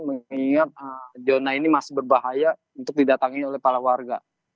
mengingat zona ini masih berbahaya untuk didatangi oleh para warga